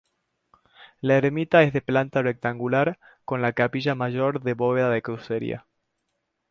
La ermita es de planta rectangular, con la capilla mayor de bóveda de crucería.